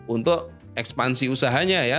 untuk ekspansi usahanya ya